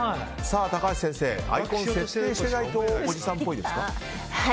高橋先生アイコン設定していないとおじさんっぽいですか？